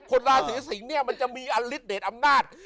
คนราศีสิงศ์เนี่ยมันจะมีอลิดเดชอำนาจ